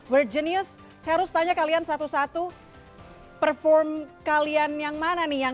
we re genius saya harus tanya kalian satu satu perform kalian yang mana nih